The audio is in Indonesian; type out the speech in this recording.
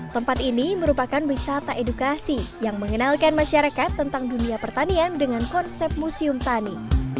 tempat ini merupakan wisata edukasi yang mengenalkan masyarakat tentang dunia pertanian dengan konsep museum tani